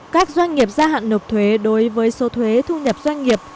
các doanh nghiệp gia hạn nộp thuế đối với số thuế thu nhập doanh nghiệp